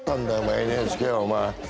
ＮＨＫはお前。